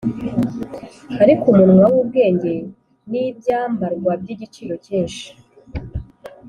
ariko umunwa w’ubwenge ni ibyambarwa by’igiciro cyinshi